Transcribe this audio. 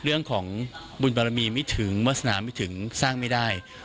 เรื่องของบุญบารมีไม่ถึงวาสนาไม่ถึงสร้างไม่ได้